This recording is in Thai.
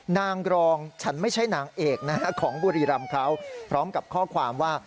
นางรองฉันไม่ใช่นางเอกนะฮะของบุรีรำเขาพร้อมกับข้อความว่า